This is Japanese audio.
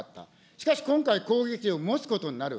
しかし今回、攻撃力を持つことになる。